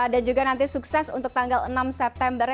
dan juga nanti sukses untuk tanggal enam september